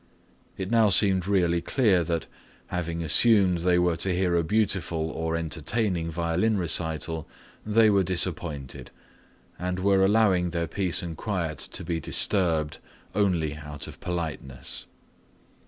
It now seemed really clear that, having assumed they were to hear a beautiful or entertaining violin recital, they were disappointed and were allowing their peace and quiet to be disturbed only out of politeness.